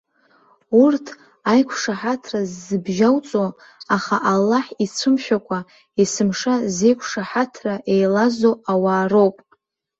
Урҭ, аиқәшаҳаҭра ззыбжьоуҵо, аха Аллаҳ ицәымшәакәа, есымша зеиқәшаҳаҭра иеилазо ауаа роуп.